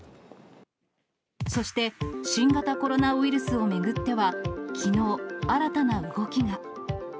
そして新型コロナウイルスを巡ってはきのう、新たな動きが。